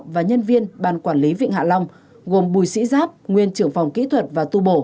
và nhân viên ban quản lý vịnh hạ long gồm bùi sĩ giáp nguyên trưởng phòng kỹ thuật và tu bổ